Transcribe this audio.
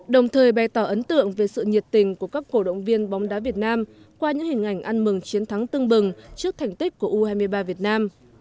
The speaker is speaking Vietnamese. đồng thời bày tỏ ấn tượng về sự nhiệt tình của các cổ động viên bóng đá việt nam qua những hình ảnh ăn mừng chiến thắng tưng bừng trước thành tích của u hai mươi ba việt nam